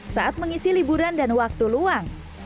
saat mengisi liburan dan waktu luang